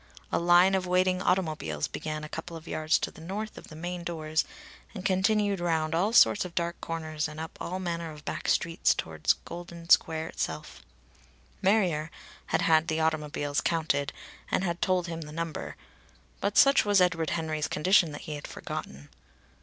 A line of waiting automobiles began a couple of yards to the north of the main doors and continued round all sorts of dark corners and up all manner of back streets toward Golden Square itself. Marrier had had the automobiles counted and had told him the number , but such was Edward Henry's condition that he had forgotten.